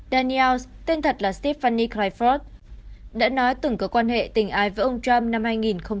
daniels tên thật là stephanie clyford đã nói từng có quan hệ tình ai với ông trump năm hai nghìn một mươi sáu